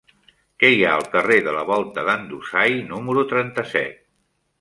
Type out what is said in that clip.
Què hi ha al carrer de la Volta d'en Dusai número trenta-set?